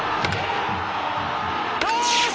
よし！